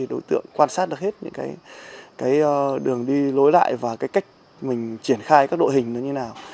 đối tượng quan sát được hết những đường đi lối lại và cách mình triển khai các độ hình như thế nào